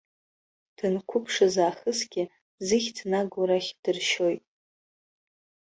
Данқәыԥшыз аахысгьы зыхьӡ нагоу рахь дыршьоит.